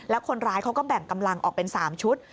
แล้วคนร้ายเขาก็แบ่งกำลังออกเป็น๓ชุด